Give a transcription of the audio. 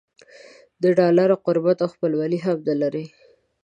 د ډالر قربت او خپلوي هم نه لري.